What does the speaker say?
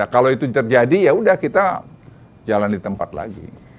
kalau itu terjadi ya udah kita jalan di tempat lagi